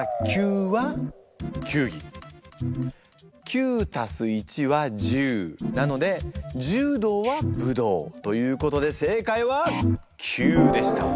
９＋１＝１０なので「じゅうどうはぶどう」ということで正解は９でした。